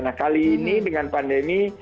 nah kali ini dengan pandemi